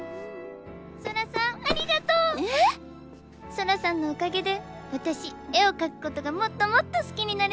ソラさんのおかげで私絵を描くことがもっともっと好きになれそうです。